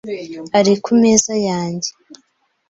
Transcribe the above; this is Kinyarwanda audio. Ari kumeza yanjye .